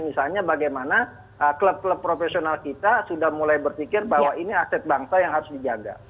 misalnya bagaimana klub klub profesional kita sudah mulai berpikir bahwa ini aset bangsa yang harus dijaga